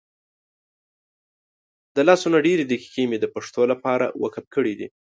دلسونه ډیري دقیقی مي دپښتو دپاره وقف کړي دي